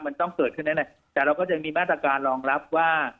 มันต้องเกิดขึ้นแน่แต่เราก็จะมีมาตรการรองรับว่า